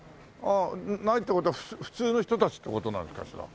ないって事は普通の人たちって事なのかしら。